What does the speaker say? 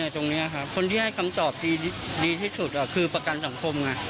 ตรงนี้ค่ะคนที่ให้คำตอบดีที่สุดคือประกันสังคมไง